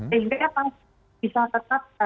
sehingga tukuh bisa tetap